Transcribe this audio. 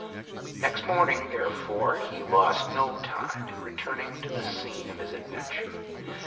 Next morning, therefore, he lost no time in returning to the scene of his adventure.